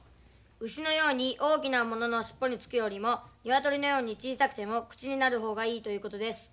牛のように大きなものの尻尾につくよりも鶏のように小さくても口になる方がいいということです。